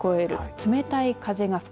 冷たい風が吹く。